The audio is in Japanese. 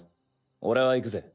俺は行くぜ。